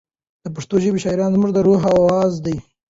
د پښتو ژبې شاعري زموږ د روح اواز دی.